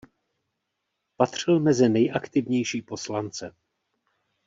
Patřil mezi nejaktivnější poslance.